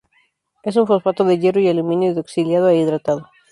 Es un fosfato de hierro y aluminio, hidroxilado e hidratado.